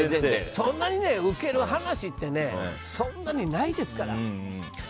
そんなにウケる話ってそんなにないですから。